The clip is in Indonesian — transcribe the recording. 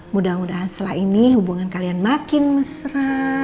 mudah mudahan setelah ini hubungan kalian makin mesra